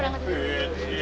berangkat dulu ya